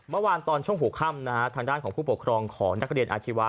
เมื่อวานตอนช่วงหัวค่ำนะฮะทางด้านของผู้ปกครองของนักเรียนอาชีวะ